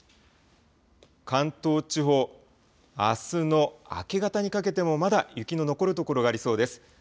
関東地方、あすの明け方にかけても、まだ雪の残る所がありそうです。